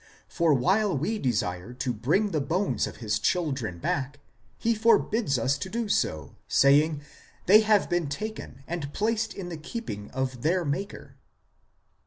For while we desire to bring the bones of his children back he forbids us to do so, saying, they have been taken and placed in the keeping of their Maker."